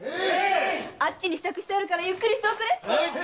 あっちに支度してあるからゆっくりしておくれ！へいっ！